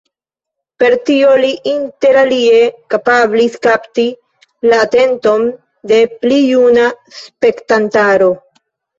Per tio li interalie kapablis kapti la atenton de pli juna spektantaro.